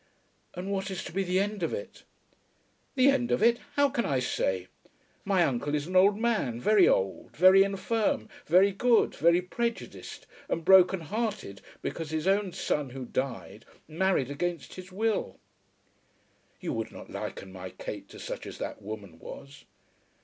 "And what is to be the end of it?" "The end of it! How can I say? My uncle is an old man, very old, very infirm, very good, very prejudiced, and broken hearted because his own son, who died, married against his will." "You would not liken my Kate to such as that woman was?"